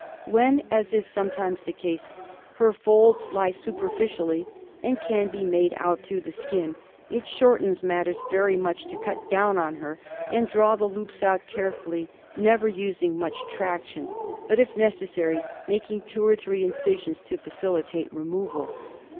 When, as is sometimes the case, her folds lie super ficially and can be made out through the skin, it shortens matters very much to cut down on her and draw the loops out carefully, never using much traction, but, if necessary, making two or more incisions to facilitate removal.